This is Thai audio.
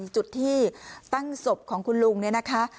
จุดที่ตั้งศพของคุณลุงเนี่ยนะคะ